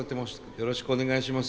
よろしくお願いします。